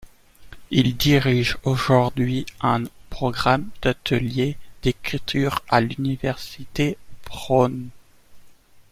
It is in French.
Il dirige aujourd'hui un programme d'ateliers d'écriture à l'Université Brown.